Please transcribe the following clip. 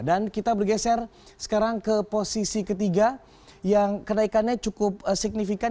kita bergeser sekarang ke posisi ketiga yang kenaikannya cukup signifikan